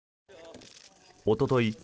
おととい